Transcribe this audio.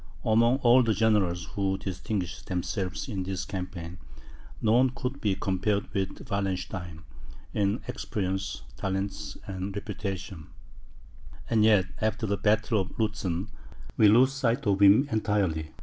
Among all the generals who distinguished themselves in this campaign, none could be compared with Wallenstein, in experience, talents, and reputation; and yet, after the battle of Lutzen, we lose sight of him entirely.